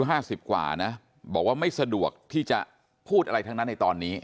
ห้าสิบกว่านะบอกว่าไม่สะดวกที่จะพูดอะไรทั้งนั้นในตอนนี้